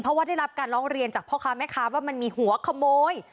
เพราะว่าได้รับการร้องเรียนจากพ่อค้าแม่ค้าว่ามันมีหัวขโมย